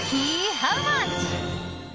ハウマッチ。